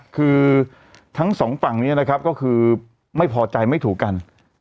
คือทั้งสองฝั่งนี้นะครับก็คือไม่พอใจไม่ถูกกัน